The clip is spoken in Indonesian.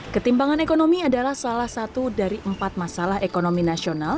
ketimbangan ekonomi adalah salah satu dari empat masalah ekonomi nasional